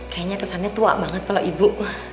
kayaknya kesannya tua banget kalau ibu